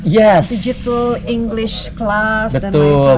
ya digital english class dan lain sebagainya